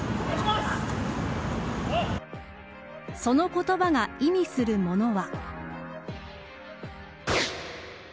その言葉が意味するものは。